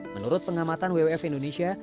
menurut pengamatan wwf indonesia